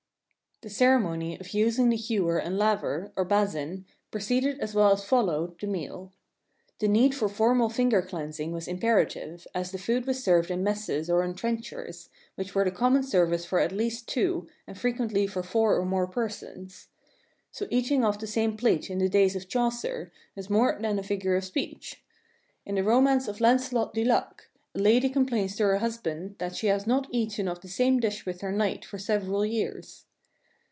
The ceremony of using the ewer and laver (or basin) preceded as well as followed the meal. The need for formal finger cleansing was im perative, as the food was served in messes or on trenchers, which were the common service for at least two, and frequently for four or more persons. So eating off the same plate in the days of Chaucer was more than a figure of speech. In the romance of "Lancelot du Lac," a lady complains to her hus band "that she has not eaten off the same dish with her knight for several years."